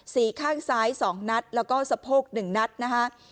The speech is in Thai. ศรีข้างซ้ายสองนัดแล้วก็สะโพกหนึ่งนัดนะคะ